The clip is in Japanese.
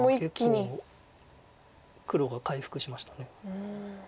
ああ結構黒が回復しました。